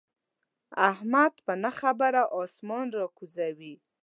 احمد په نه خبره اسمان را کوزوي.